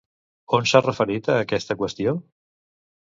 On s'ha referit a aquesta qüestió?